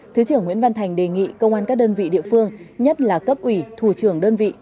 thứ trưởng nguyễn văn thành đề nghị công an các đơn vị địa phương nhất là cấp ủy thủ trưởng đơn vị